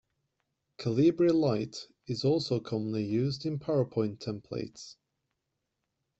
Calibri Light is also commonly used in Powerpoint templates.